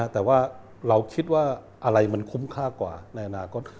แต่ว่าเราคิดว่าอะไรมันคุ้มค่ากว่าในอนาคต